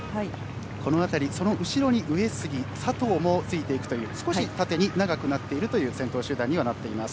この辺り、その後ろに上杉、佐藤もついていくという少し縦に長くなっているという先頭集団になっています。